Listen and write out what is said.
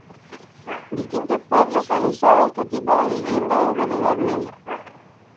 Distintos pueblos han usado este tipo de vivienda desde la Edad Media.